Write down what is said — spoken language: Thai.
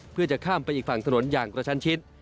เพื่อจะข้ามไปอีกฝั่งถนนอย่างกระชันชิด